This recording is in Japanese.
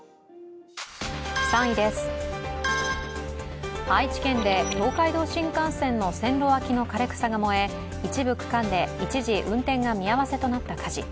３位です、愛知県で東海道新幹線の線路脇の枯れ草が燃え、一部区間で一時運転が見合わせとなった火事。